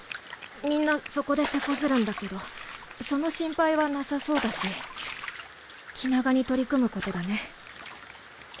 みんなそこでてこずるんだけどその心配はなさそうだし気長に取り組むことだね。